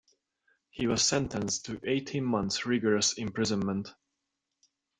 He was sentenced to eighteen months rigorous imprisonment.